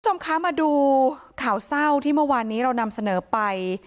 คุณผู้ชมคะมาดูข่าวเศร้าที่เมื่อวานนี้เรานำเสนอไป